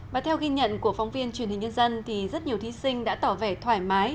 và theo ghi nhận của phóng viên truyền hình nhân dân thì rất nhiều thí sinh đã tỏ vẻ thoải mái